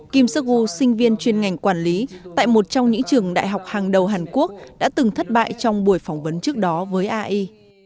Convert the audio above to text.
kim seok wo sinh viên chuyên ngành quản lý tại một trong những trường đại học hàng đầu hàn quốc đã từng thất bại trong buổi phỏng vấn trước đó với ai